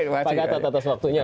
pak gatat atas waktunya